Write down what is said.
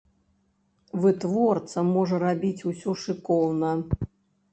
Вытворца можа рабіць усё шыкоўна.